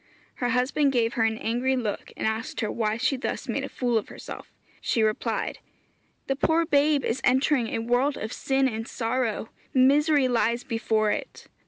Her husband gave her an angry look, and asked her why she thus made a fool of herself. She replied, 'The poor babe is entering a world of sin and sorrow; misery lies before it.